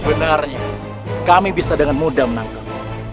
benarnya kami bisa dengan mudah menangkap